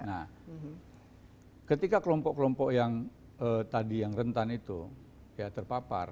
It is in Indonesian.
nah ketika kelompok kelompok yang tadi yang rentan itu ya terpapar